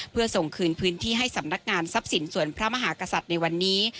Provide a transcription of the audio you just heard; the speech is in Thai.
เพื่อส่งคืนพื้นที่ให้สำนักงานทรัพย์สินส่วนพระมหากษัตริย์ในวันนี้